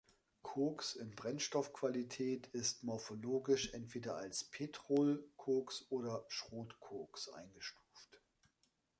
Koks in Brennstoffqualität ist morphologisch entweder als Petrolkoks oder Schrotkoks eingestuft.